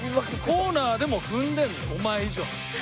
コーナーでも踏んでるのお前以上。